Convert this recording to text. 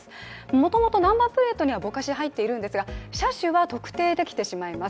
もともとナンバープレートにはぼかしが入っているんですが車種は特定できてしまいます。